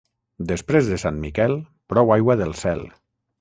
Després de Sant Miquel, prou aigua del cel.